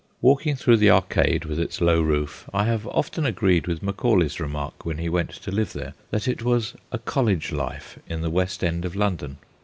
Walking through the arcade with its low roof I have often agreed MAT LEWIS 77 with Macaulay's remark when he went to live there, that it was a college life in the West End of London.